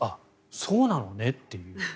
そうなのねという。